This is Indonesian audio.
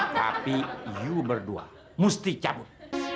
tapi you berdua mesti cabut